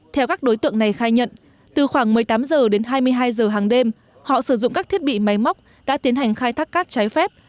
theo các đối tượng này khai nhận từ khoảng một mươi tám h đến hai mươi hai h hàng đêm họ sử dụng các thiết bị máy móc đã tiến hành khai thác cát trái phép